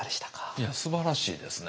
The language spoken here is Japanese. いやすばらしいですね。